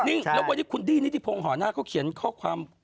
ยิ่งแล้ววันนี้คุณดินิด้ีพงศาห์หน้าเขาเขียนข้อความ